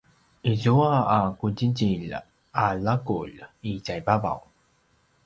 izua a qudjidjilj a laqulj i tjaivavaw